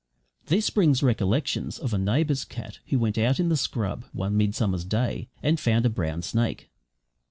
This brings recollections of a neighbour's cat who went out in the scrub, one midsummer's day, and found a brown snake.